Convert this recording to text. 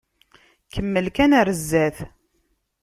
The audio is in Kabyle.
Kemmel kan ar zdat.